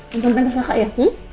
nih ya nonton pentas kakak ya